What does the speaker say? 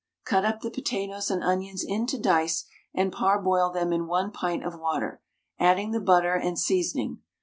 Cut up the potatoes and onions into dice, and parboil them in 1 pint of water, adding the butter and seasoning.